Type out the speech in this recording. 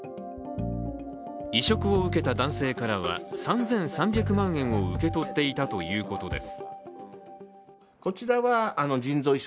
移植を受けた男性からは、３３００万円を受け取っていたということです。